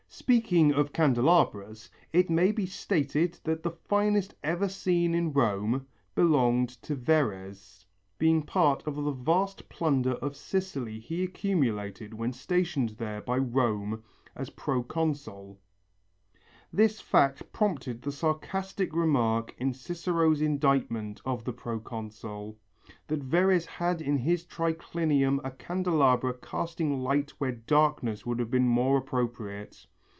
Speaking of candelabras, it may be stated that the finest ever seen in Rome belonged to Verres, being part of the vast plunder of Sicily he accumulated when stationed there by Rome as proconsul. This fact prompted the sarcastic remark in Cicero's indictment of the proconsul, that Verres had in his triclinium a candelabra casting light where darkness would have been more appropriate.